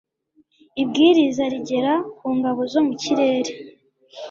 ibwiriza rigera ku ngabo zo mu kirere